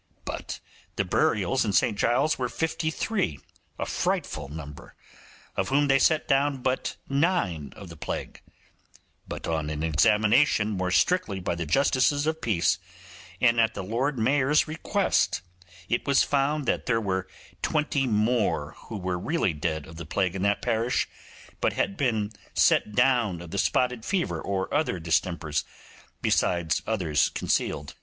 But the burials in St Giles's were fifty three—a frightful number!—of whom they set down but nine of the plague; but on an examination more strictly by the justices of peace, and at the Lord Mayor's request, it was found there were twenty more who were really dead of the plague in that parish, but had been set down of the spotted fever or other distempers, besides others concealed.